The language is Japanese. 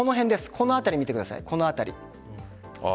この辺り見てください。